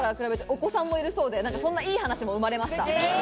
お子さんもいるそうでそんないい話も生まれました。